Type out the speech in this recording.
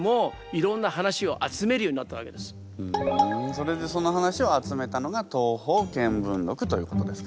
それでその話を集めたのが「東方見聞録」ということですか。